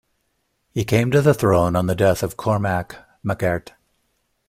He came to the throne on the death of Cormac mac Airt.